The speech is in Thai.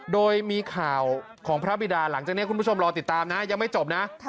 โดยมีข่าวของพระบิดาหลังจากนี้คุณผู้ชมรอติดตามนะยังไม่จบนะ